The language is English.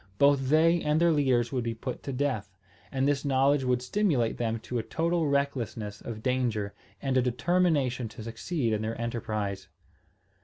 Both they and their leaders would be put to death; and this knowledge would stimulate them to a total recklessness of danger and a determination to succeed in their enterprise.